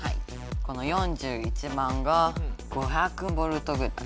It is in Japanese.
この４１番が５００ボルトぐらい。